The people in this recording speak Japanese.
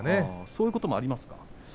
そういうこともありますかね。